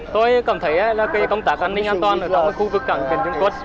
tôi cảm thấy công tác an ninh an toàn ở khu vực cảng biển dung quốc